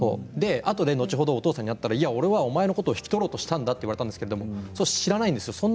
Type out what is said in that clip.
あとで後ほどお父さんに会ったら俺はお前のことを引き取ろうとしたんだって言われたんだけれども知らないんですよ。